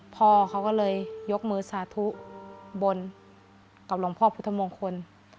พ่อเขาก็เลยยกมือสาธุบนกับหลวงพ่อพุทธมงคล